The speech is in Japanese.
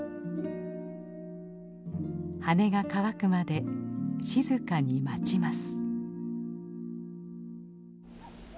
羽が乾くまで静かに待ちます。